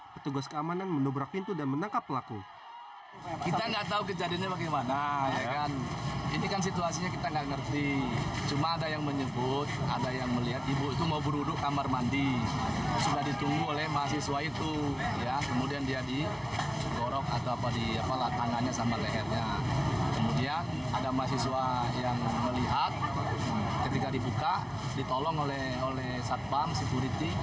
petugas keamanan menobrak pintu dan menangkap pelaku